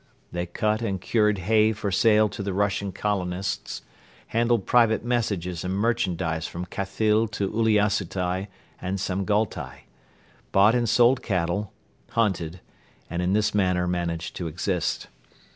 They cut and cured hay for sale to the Russian colonists, handled private messages and merchandise from Khathyl to Uliassutai and Samgaltai, bought and sold cattle, hunted and in this manner managed to exist.